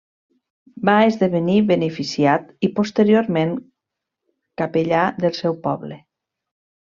Va esdevenir beneficiat i, posteriorment, capellà del seu poble.